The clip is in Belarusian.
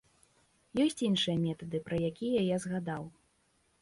Ёсць іншыя метады, пра якія я згадаў.